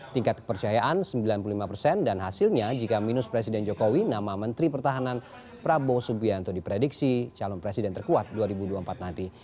tingkat kepercayaan sembilan puluh lima persen dan hasilnya jika minus presiden jokowi nama menteri pertahanan prabowo subianto diprediksi calon presiden terkuat dua ribu dua puluh empat nanti